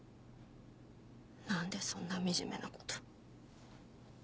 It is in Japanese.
何でそんな惨めなこと。